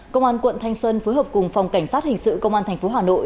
công an quận thanh xuân phối hợp cùng phòng cảnh sát hình sự công an tp hà nội